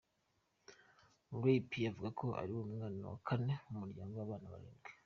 Ray P avuka ari umwana wa kane mu muryango w’abana barindwi.